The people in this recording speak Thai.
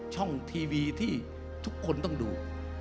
ช่องทีวีที่ทุกคนต้องดู